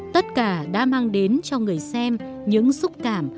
tất cả đã mang đến cho người xem những xúc cảm